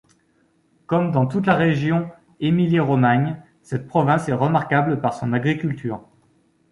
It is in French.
Comme dans toute la région Émilie-Romagne, cette province est remarquable par son agriculture.